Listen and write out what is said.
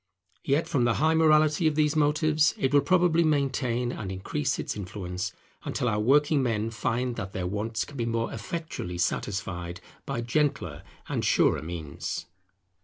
Yet, from the high morality of these motives, it will probably maintain and increase its influence until our working men find that their wants can be more effectually satisfied by gentler and surer means.